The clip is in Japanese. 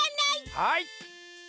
はい。